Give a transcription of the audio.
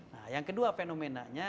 nah yang kedua fenomenanya